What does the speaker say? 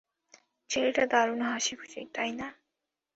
ছেলেটা দারুণ হাসিখুশি, তাই না?